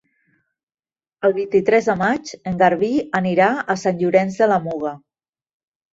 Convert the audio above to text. El vint-i-tres de maig en Garbí anirà a Sant Llorenç de la Muga.